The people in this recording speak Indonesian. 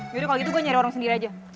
yaudah kalau gitu gue nyari orang sendiri aja